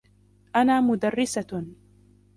أنا مدرّسة.